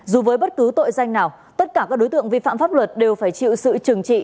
dù với bất cứ tội danh nào tất cả các đối tượng vi phạm pháp luật đều phải chịu sự trừng trị